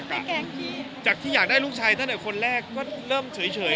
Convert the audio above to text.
ไปแกงจากที่อยากได้ลูกชายตั้งแต่คนแรกก็เริ่มเฉย